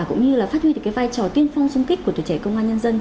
cũng như là phát huy được cái vai trò tiên phong sung kích của tuổi trẻ công an nhân dân